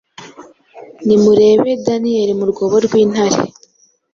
Nimurebe Daniyeli mu rwobo rw’intare,